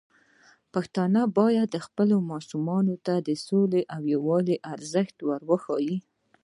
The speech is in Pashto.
پښتانه بايد خپل ماشومان ته د سولې او يووالي ارزښت وښيي.